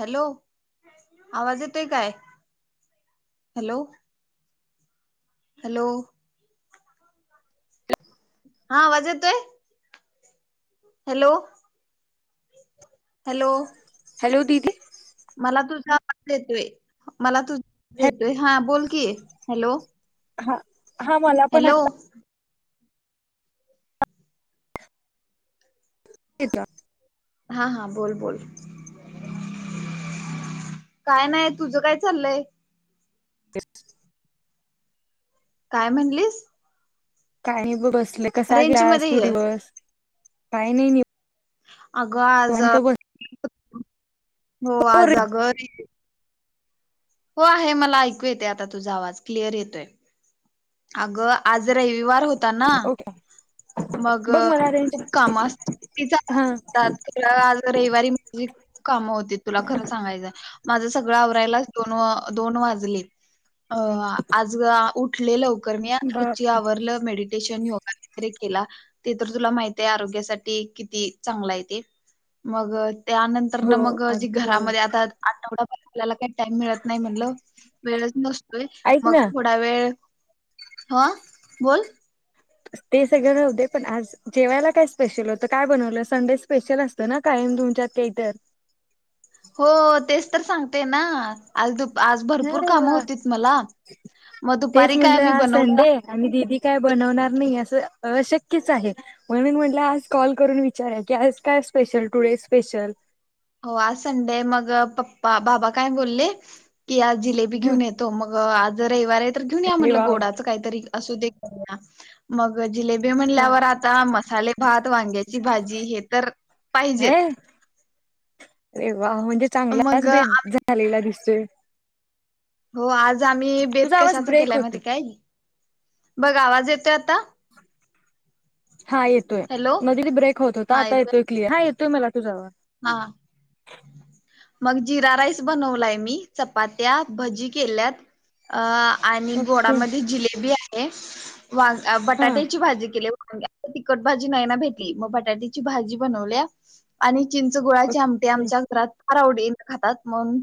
Hello [inaudible] आवाज येतोय काय? हॅलो हॅलो हा आवाज येतोय? हॅलो हॅलो [inaudible] हॅलो दीदी [inaudible] मला तुझा आवाज -येतोय मला तुझा आवाज -येतोय हा बोल की, हॅलो हा- हा मला पण हॅलो आता येतो [unintelligible] हा- हा, बोल -बोल [inaudible] [inaudible] काय नाही तुझ काय चाललय? [unintelligible] काय म्हणलीस? काय नाही ब बसले, कसा रेंज गेलास- मध्ये तू ये दिवस काही नाही नि अगं, आज [unintelligible] हो, आज अगं [unintelligible] हो आहे मला ऐकू येते आता तुझा आवाज, क्लिअर येतोय, आगं आज रविवार होता ना, ओके मग बघ मला रेंज खूप काम असि [unintelligible] हा तर आज- तिकडं आज रविवारी माझी खूप कामं होती तुला खरं सांगायचं. माझं सगळं आवरायला दोन अ दोन वाजलेत अ आज उठले लव लवकर मी ब आवर म [unintelligible] त्याच्या नंतर योगा वगैरे केला, ते तर तुला माहित आहे आरोग्यासाठी किती चांगला आहे ते. मग, त्यानंतर हो न मग, जी अगदी घरामध्ये बरोबर -आता आठवडाभ आपल्याला काही टाइम मिळत नाही म्हणलं, वेळच नसतोय, ऐक मग ना थोडा वेळ हा, बोल ते सगळं राहूदे, पण आज जेवायला काय स्पेशल होतं? काय बनवलं संडे स्पेशल, असतं ना काय? तुमच्यात काहीतर हो, तेच तर सांगते ना, आज दुपा आज भरपूर अरे काम वा होतीत मला, म तेच दुपारी काय म्हटलं मी आज संडे बनवलं आणि दिदी काय बनवणार नाही असं अशक्यच आहे, म्हणून म्हणलं आज कॉल करून विचार की, [inaudible] आज काय? स्पेशल, टुडे, स्पेशल हो, आज संडे मग, पप्पा- बाबा काय बोलले? की आज जिलेबी ह घेऊन येतो, मग आज रविवार आहे तर घेऊन या अरे म्हटलं, वा गोडाचं काहीतरी असू दे, करूया मग जिलेबी हा म्हणल्यावर, आता मसाले भात, वांग्याची भाजी, हे तर पाहिजेत. वाह, म्हणजे -चांगलाच मग बेत आ- -झालेला दिसतोय. हो, आज आम्ही बेत तुझा आवाज कशाचा ब्रेक केलाय होतो माहितीये काय, बघ आवाज येत ते आता हा येतोय, हॅलो मध्ये ते ब्रेक होत होता, आता येतोय क्लियर, हा येतोय मला तुझा आवाज हा [inaudible] मग, जिरा राईस बनवलाय, मी चपात्या, भजी केल्यात अ आणि ओके गोडामध्ये जिलेबी आहे व हा बटाट्याची भाजी केली. आता तिखट भाजी नाही ना भेटली, मग बटाट्याची भाजी बनवल्या आणि चिंचगुळाची आमटी ओके आमच्या घरात फार आवडीन खातात. मग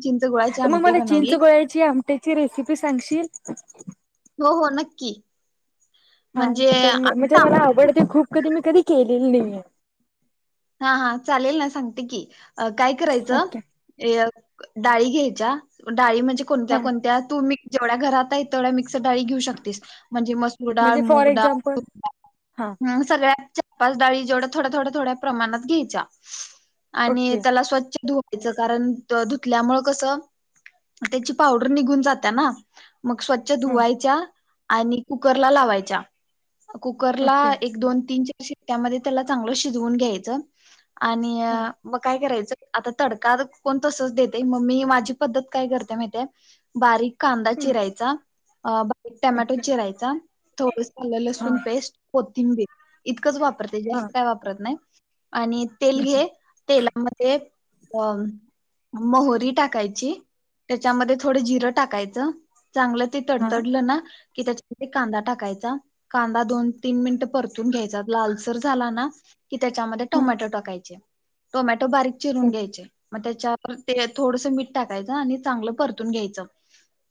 म, मला चिंचगोळ्याची आमटीची रेसिपी सांगशील? हो, हो नक्की हा म्हणजे तर आम्ही म्हणजे मला तांबडा आवडते खूप, कधी मी कधी केलेली नाहिये हा, हा, चालेल ना, सांगते की, काय करयच ओके डाळी घ्यायच्या, म डाळी म्हणजे कोणत्या हा कोणत्या, तू् मी जेवढ्या घरात आहे तेवढ्या मिक्स डाळी घेऊ शकतीस म्हणजे मसूर डाळ, म्हणजे फॉर मुग डाळ, एक्झाम्पल तूर डाळ, हा हम्म, [unintelligible] पाच डाळी जेवढा थोड्या, थोड्या, थोड्या प्रमाणात घ्यायच्या, आणि ओके त्याला स्वच्छ धु कारण धुतल्यामुळे कसं, त्याची पावडर निघून जातेय ना? मग, स्वच्छ हा धुवायच्या, आणि कुकर ला लावायच्या. कुकरला ओके एक, दोन, तीन, चार शिट्यामध्ये त्याला चांगलं शिजवून घ्यायचं आणि हा मग काय करायचं आता, तडका कोण तसच देते, म, मी माझी पद्धत काय करते, माहितेय बारीक कांदा चिरायचा टमॅटो ओके चिरायचा, थोडसं आलं, हा लसूण पेस्ट कोथिंबीर इ इतकंच वापरते, हा जास्त काय वापरत नाय, आणि तेल ओके घे, तेला मध्ये, अ, मोहोरी टाकायची - - त्याच्यामध्ये थोडं जिरं टाकायचं, चांगलं ते हा ओके हा तडतडलं ना कि त्याच्यामध्ये कांदा टाकायचा कांदा दोन तीन मिनटं परतून घ्यायचा लालसर झाला ना कि त्याच्यामध्ये टोमॅटो टाकायचे टोमॅटो बारीक चिरून घ्यायचे. मग त्याच्यावर ते थोडस मीठ टाकायचं आणि चांगलं परतून घ्यायचं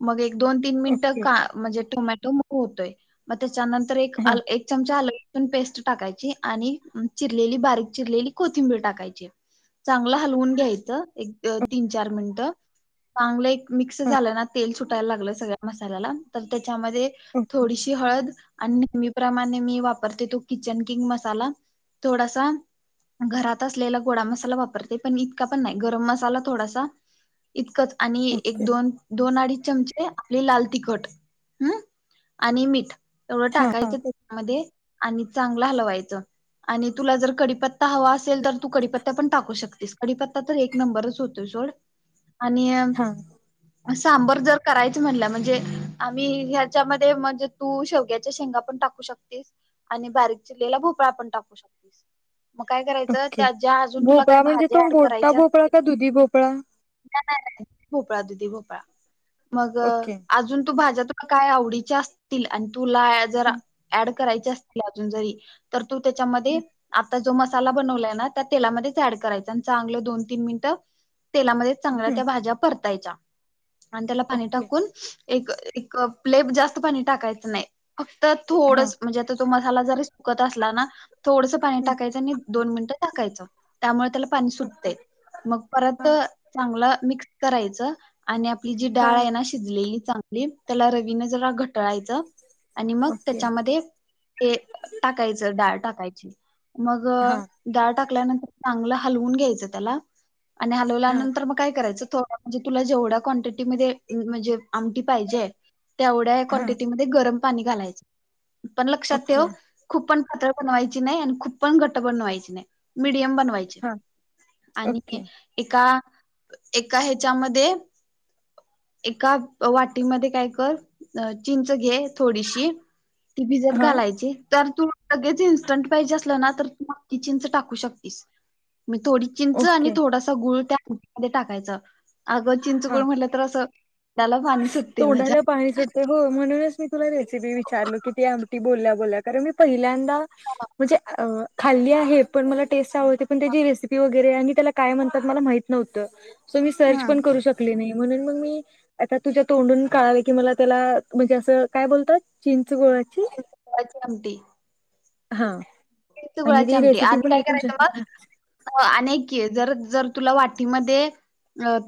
मग एक - दोन तीन मिनिटं का म्हणजे टोमॅटो मऊ होतोय मग त्याच्यानंतर एक आल एक चमचा आलं. लसूण पेस्ट टाकायची आणि चिरलेली बारीक चिरलेली कोथिंबीर टाकायची. चांगलं हलवून घ्यायचं एक तीन चार मिनटं. चांगलं एक मिक्स झालं ना तेल सुटायला लागलं सगळ्या मसाल्याला तर त्या त्यामध्ये थोडीशी हळद. आणि नेहमीप्रमाणे मी वापरते तो किचन किंग मसाला थोडासा. घरात असलेला गोडा मसाला वापरते पण इतका पण नाही गरम मसाला थोडासा. इतकंच आणि एक ओके दोन दोन अडीच. चमचे आपले लाल तिखट हम्म आणि मीठ. तेवढं हा टाकायचं त्याच्यामध्ये आणि चांगलं हलवायचं आणि तुला जर - कडीपत्ता हवा असेल तर तू कडीपत्ता पण टाकू शक - तोस कडीपत्ता तर एक नंबरच होतोय सोड आणि. हा सांबर जर करायच म्हणलं म्हणजे आम्ही ह्याच्यामध्ये म्हणजे तू शेवग्याच्या शेंगा पण टाकू शकतेस आणि बारीक चिरलेला भोपळा पण टाकू शकतेस. मग काय करायचं ओके त्यात ज्या अजून तुला भोपळा काय म्हणजे तो भाज्या ऍड मोठा करायच्या भोपळा असतील का दुधी भोपळा [inaudible] नाही नाही नाही भोपळा दुधी भोपळा मग ओके अजून तू भाज्यात. तुला काय आवडीच्या असतील आणि तुला जर ऍड करायचे असतील अजून जरी तर तु. त्याच्यामध्ये आता जो मसाला बनवलाय ना त्या तेलामध्येच ऍड करायचा चांगलं दोन तीन मिनटं तेलामध्ये चांगल्या हम्म त्या भाज्या परतायच्या आणि त्याला पाणी ओके टाकून. एक एक लय जास्त पाणी टाकायचं नाही फक्त हा थोडंच म्हणजे आता तुम्हा. मसाला जरी सुकत असला ना थोडसं पाणी हम्म. टाकायचं आणि दोन मिनट झाकायचं त्यामुळे त्याला. पाणी सुटतंय मग परत हा चांगलं मिक्स करायचं. आणि आपली जी हा डाळ आहे ना शिजलेली चांगली त्याला रवीने जरा घटाळायचं. आणि मग ओके त्याच्यामध्ये ते टाकायचं डाळ टाकायची. मग हा डाळ टाकल्यानंतर चांगलं हलवून घ्यायचं त्याला. आणि हा हलवल्यानंतर मग काय करायचं थोडं म्हणजे तुला जेवढ्या क्वांटिटी मध्ये म्हणजे. आमटी पाहिजे तेवढ्या हा क्वांटिटी मध्ये गरम पाणी घालायच. पण लक्षात ओके ठेव खूप पण पातळ. बनवायची नाही आणि खूप पण घट्ट बनवायची नाही मिडीयम बनवा. बनवायची हा आणि ओके एका एका ह्याच्यामध्ये. एका वाटीमध्ये काय कर अं चिंच घे. थोडीशी ती भिजत हा घालायची तर तू लगेच. इस्टंट पाहिजे असलं ना तर तू मग ती चिंच टाकू शकतीस. मग थोडी चिंच आणि ओके थोडासा गुळ त्या आमटीमध्ये टाकायच. अगं चिंच गुळ हा म्हटलं तर असं. त्याला पाणी सुटते माझ्या. तोंडाला पाणी सुटत हो म्हणूनच मी तुला रेसिपी विचारलो कि ती आमटी. बोलल्या बोलल्या आणि कारण मी पहिल्यांदा म्हणजे अं खाल्ली आहे पण मला टेस्ट. पण त्याची रेसिपी वगैरे आणि त्याला काय म्हणतात मला माहित नव्हतं. सो मी सर्च हा पण करू शकली नाही म्हणून मग मी. आता तुझ्या तोंडून कळालं की मला त्याला म्हणजे असं काय बोलतात चिंच. गोळाची गुळाची आमटी. हा. चिंच आणि गुळाची ती आमटी रेसिपी आणि पण काय ऐकून करायचं शकते मग आणि ऐक की. जर जर तुला वाटीमध्ये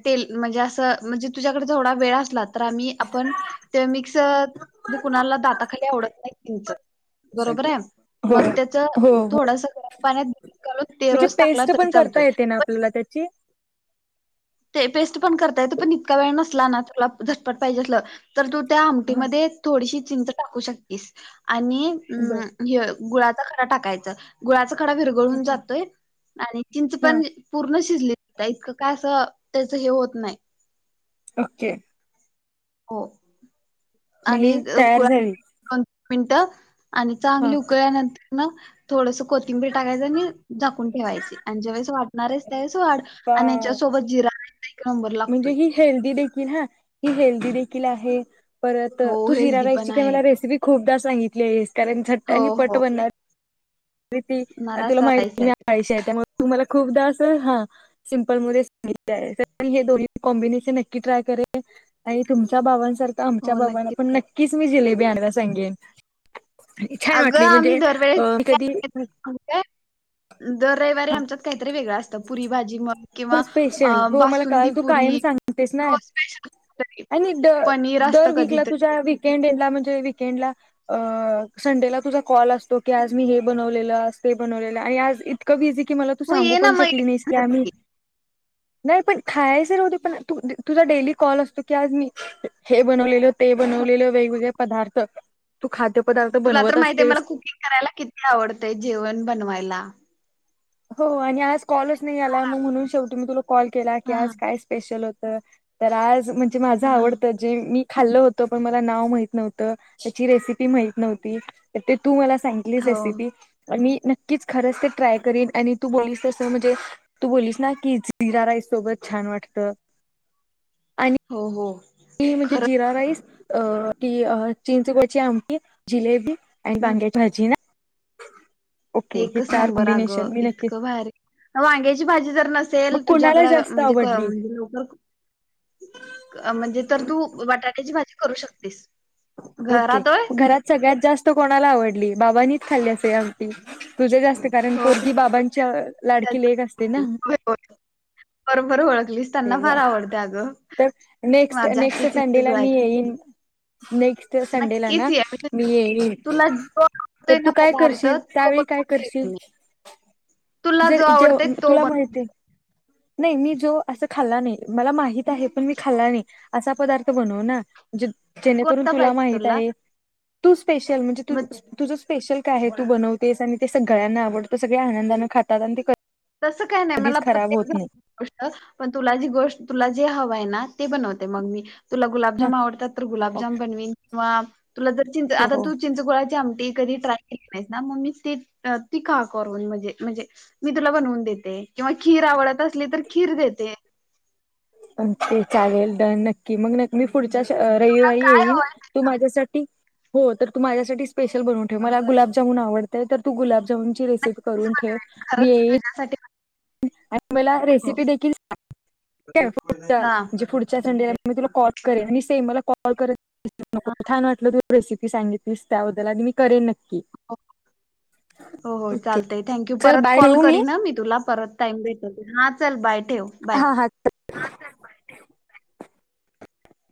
तेल म्हणजे असं म्हणजे तुझ्याकडे थोडा वेळ असला. तर आम्ही आपण ते मिक्स म्हणजे कुणाला दाताखाली आवडत नाही चिंच. बरोबर आहे हो मग त्याच. हो हो थोडस गरम पाण्यात भिजत घालून ते म्हणजे रोज टाकला पेस्ट तरी पण करता चालतोय येते ना पण. आपल्याला त्याची ते पेस्ट पण करता येत पण इतका वेळ नसला ना तुला झटपट पाहिजे अस तर तू त्या ह आमटीमध्ये थोडीशी चिंंच टाकू शकतीस आणि बर अ हे गुळाचा खडा टाकायचं गुळाच डरून जातोय आणि चिंच हा पण पूर्ण शिजली तर इतकं काय असं त्याचं हे होत नाही ओके हो मग आणि ही तयार कु झाली मिनटं आणि हा चांगली उकळल्यानंतर थोडस कोथिंबर टाकायच आणि झाकून ठेवायचे आणि जेवेळेस वाढणार आहेस अरे त्यावेळेस वाढ आणि वा याच्यासोबत जिरा एक नंबर म्हणजे लागतोय ही हेल्दी देखील हा ही हेल्दी देखील आहे परत हो तू जिरा हेल्दी राईस पण ची का आहे मला रेसिपी खूपदा सांगितली आहेस कारण झट्ट हो आणि पट हो बनणार तुला नरासा राईस माहिती आहे मी आळीष आहे त्यामुळे तू मला खूपदास हा सिमपल म सांगित हे दोन्ही कॉम्बिनेशन नक्की ट्रय करेन तुमच्या बाबांसारखं आमच्या हो बाबांना नक्कीच पण कर नक्कीच मी जिलेबी आणायला सांगेन छान वाटली म्हणजे अ कधी य दर रविवारी आमच्यात काहीतरी वेगळं असतं पुरी भाजी मग हो किंवा अ स्पेशल हो मला बासुंदी काल तू कायम पुरी सांगतेस ना हो स्पेशल काहीतरी. आणि पनीर असतं दर वीकला तुझ्या कधीतरी वकेंडला म्हणजे वीकेंडला संडेला तुझ कॉल असतो क आज मी हे बनवले बनवज इतकं ब की मला तू हो सांगू ये ना पण मग शकली नाहीस की आम्ही [inaudible] नाही पण खायचवते पण तू तुझा डेली कॉल असतो की आज मी हे बनवलेले ते हो बनवलेले वेगवेगळे पदार्थ तू खाद्य तुला तर माहिती आहे मला कुकिंग करायला किती आवडतय जेवण बनवायला हो आणि आज कॉलच नाही आला मग म्हणून शेवटी मी तुला कॉल केला की हा हा आज काय स्पेशल होत तर आज म्हणजे माझं हा. आवडतं जे मी खाल्लं होत पण मला नाव माहत नव्हतं त्याची रेसिपी माहित नव्हती ते तू मला सांगितलीच हो रसि ती मी नक्कीच खरंच ते ट्राय करेन आणि तू बोललीस तस म्हणजे तू बोललीस ना की जिरा राईस सोबत छान वाटतं [inaudible] हो-हो ती म्हणजे जिरा राईस अ की चिंचगुळची आमटी जिलेबी आणि बांग्याची भाजी ना. ओके हे एकच चार नंबर अ कॉम्बिनेशन गं मी नक्कीच इतकं बाहेर. वांग्याची भाजी तर मग नसेल कोणाला तुझ्याकडें जास्त म्हणजे आवडली म्हणजे लवकर म्हणजे तर तू बटाट्याची भाजी करू शकतेस, ओके घरात होय घरात सगळ्यात जास्त कोणाला आवडली बाबानी खाली असे आमटी तुझे जास् कारण हो पोरगी बाबांची लाडकी लेक असते ना, होय होय बरोबर ओखलीस त्यांना फार तेव्हा आवडते अगं. तर नेक्स्ट माझ्या नेक्स्ट हातची संडेला चिंचगुळची मी आमटी, येईन नेक्स्ट संडेला ना नक्कीच ये म्हणजे मी येई तुला जो आवडतोय तर तू ना काय करशील त्यावेळी काय, करशील, ह [inaudible] जर जे तुला माहिती नाही मी जो अस खाल्ला नाही मला माहित आहे, पण मी खाल्ला नाही असा पदार्थ बनव ना जेणेकरून कोणता तुला पाहिजे माहित आहे तू स्पेशल म्हणजे तू मग तुझ स्पेशल काय आहे तू बनवतेस आणि ते सगळ्यांना आवडत सगळे आनंदानने खातात आणि तसं काही नाही मला कधीच खराब प्रत्येक होत नाही. गोष्ट पण तुला जी गोष्ट तुला जी हव आहे ना ते बनवते मग मी तुला गुलाबजाम आवडतात तर गुलाबजाम बनवीन किंवा तुला जर चिंच हो आता हो. तू चिंचगुळाची आमटी कधी ट्राय केली नाहीस ना मी करून म्हणजे, म्हणजे मी तुला बनवून देते. किंवा खीर आवडत असली तर खीर देते. पण ते चालेल, डन नक्की मग मी पुढच्या तुला रविवारी काय येईल हवं आहे ते तू सांग. माझ्यासाठी हो तर तू माझ्यासाठी स्पेशल बनवून ठेव. मला गुलाब जामुन आवडतात तर तू गुलाबजामुची रेस [unintelligible] मीच करून ठेव बनवेन मी खरंच येईन. तुझ्यासाठी आणि मला हो रेसिपी देखील सांग. [unintelligible] म्हणजे हा पुढच्या, पुढच्या संडेला मी तुला कॉल करीन आणि सेम मला हा. [unintelligible] रेसिपी सांगितलीस त्याबद्दल आधी मी करेन. [unintelligible] हो हो-हो ओके चालतंय, थँक यू चल परत बाय कॉल ठेवू करी ना मी तुला. परत टाईम भेटल की हा चल बाय. ठेव बाय हा हा [unintelligible]